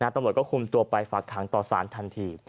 ตำรวจก็คุมตัวไปฝากขังต่อสารทันที